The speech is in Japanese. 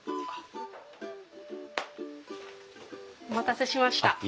お待たせしました。